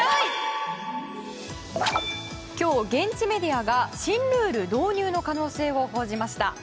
今日、現地メディアが新ルール導入の可能性を報じました。